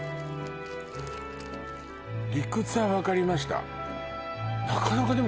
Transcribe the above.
理屈は分かりました